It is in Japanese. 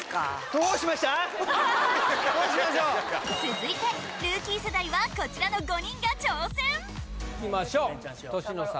どうしましょう続いてルーキー世代はこちらの５人が挑戦いきましょう年の差！